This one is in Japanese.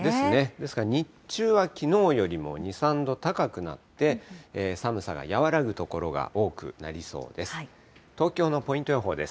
ですから日中は、きのうよりも２、３度高くなって、寒さが和らぐ所が多くなりそうです。